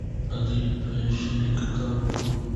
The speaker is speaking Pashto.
راځی په شریکه کار وکړو